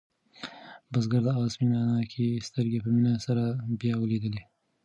بزګر د آس مینه ناکې سترګې په مینه سره بیا ولیدلې.